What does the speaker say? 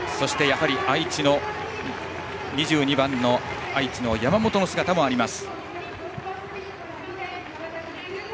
愛知の２２番の山本の姿もあります。